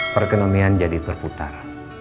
perekonomian jadi berputar